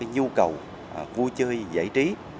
nhu cầu vui chơi giải trí